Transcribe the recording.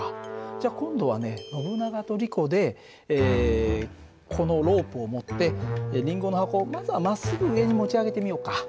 じゃ今度はねノブナガとリコでこのロープを持ってりんごの箱をまずはまっすぐ上に持ち上げてみようか。